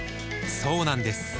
そうなんです